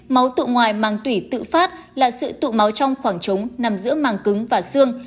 máu tự ngoài mang tủy tự phát là sự tụ máu trong khoảng trống nằm giữa màng cứng và xương